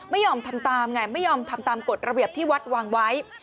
ไม่ยอมทำตามไงไม่ยอมทำตามกฎระเบียบที่วัดวางไว้